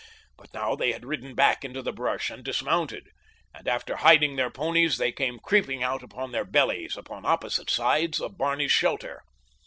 But now they had ridden back into the brush and dismounted, and after hiding their ponies they came creeping out upon their bellies upon opposite sides of Barney's shelter.